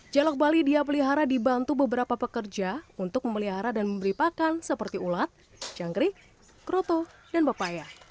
jalok bali dia pelihara dibantu beberapa pekerja untuk memelihara dan memberi pakan seperti ulat jangkrik kroto dan papaya